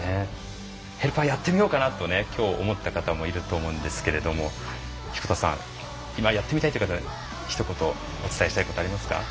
ヘルパーやってみようかなと今日、思った方もいると思うんですけれども彦田さん、やってみたいという方ひと言お伝えしたいことありますか。